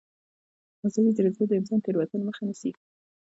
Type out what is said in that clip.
مصنوعي ځیرکتیا د انساني تېروتنو مخه نیسي.